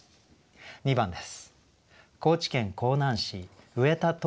２番です。